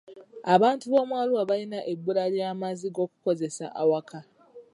Abantu b'omu Arua balina ebbula ly'amazzi g'okukozesa awaka.